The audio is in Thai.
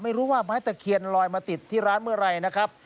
ไม่รู้ว่าไม้ตะเคียนลอยมาติดที่ร้านเมื่อไหร่นะครับ